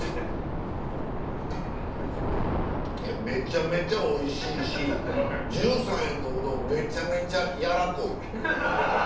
めちゃめちゃおいしいし１３円のうどんめちゃめちゃやらこい。